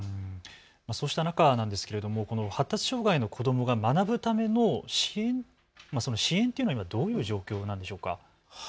そうした中なんですけれども発達障害の子どもが学ぶための支援というのは今、どういう状況なんでしょうか。